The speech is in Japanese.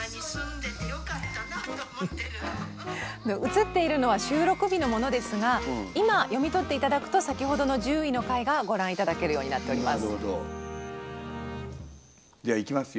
映っているのは収録日のものですが今読み取って頂くと先ほどの１０位の回がご覧頂けるようになっております。